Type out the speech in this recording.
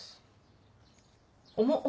重っ！